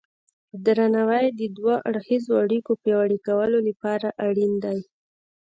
درناوی د دوه اړخیزو اړیکو پیاوړي کولو لپاره اړین دی.